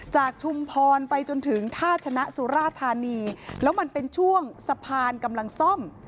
ชุมพรไปจนถึงท่าชนะสุราธานีแล้วมันเป็นช่วงสะพานกำลังซ่อม